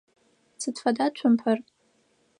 Сыд фэда цумпэр?